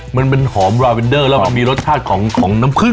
มันหอมระเวนเดอร์แล้วมันมีรสชาติของน้ำครื่น